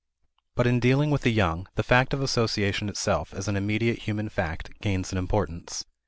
But in dealing with the young, the fact of association itself as an immediate human fact, gains in importance.